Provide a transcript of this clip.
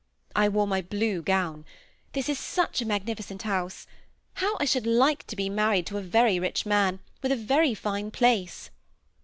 I wore mj blue gown. This is such a magnificent house. How I should like to be married to a very rich man, with a very fine place